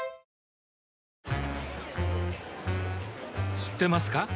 知ってますか？